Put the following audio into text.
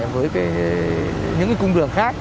với cái những cái cung đường khác